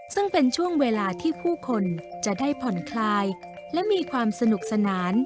ซึ่งเป็นช่วงเวลาที่ผู้คนจะได้ผ่อนคลายและมีความสนุกสนาน